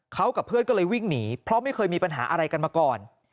เขากับเพื่อนก็เลยวิ่งหนีเพราะไม่เคยมีปัญหาอะไรกันมาก่อน